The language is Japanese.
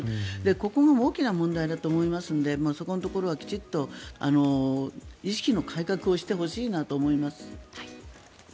ここが大きな問題だと思いますのでそこのところはきちんと意識の改革をしてほしいと思います。